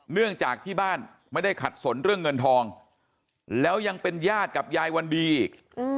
เนื่องจากที่บ้านไม่ได้ขัดสนเรื่องเงินทองแล้วยังเป็นญาติกับยายวันดีอีก